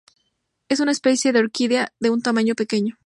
Es una especie de orquídea de un tamaño pequeño.